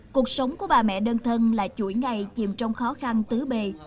cuộc sống của bà mẹ đơn thân là chuỗi ngày chìm trong khó khăn tứ bề